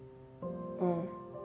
うん。